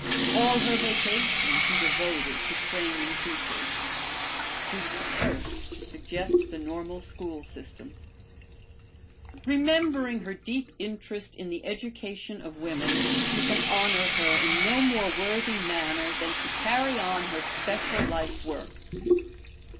"All her vacation she devoted to training teachers. She was the first to suggest the normal school system. Remembering her deep interest in the education of women, we can honor her in no more worthy manner than to carry on her special lifework.